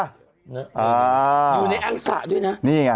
อยู่ในแอี๊งสาห์ด้วยน่ะนี่ไงนี่ไง